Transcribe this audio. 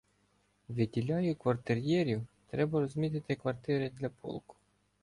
Виділяю квартир'єрів — треба розмітити квартири для полку.